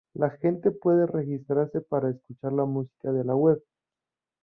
La gente puede registrarse para escuchar la música de la web.